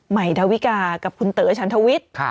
ใหม่ดาวิกากับคุณเต๋อชันทวิทย์